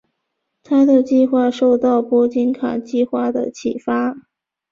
他的计划受到波金卡计划的启发。